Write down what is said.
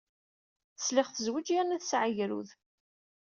Sliɣ tezwej yerna tesɛa agrud.